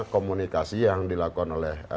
komunikasi yang dilakukan oleh